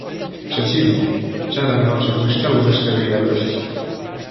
"Przeciwnie, czarne oczy błyszczały ze szczerej radości."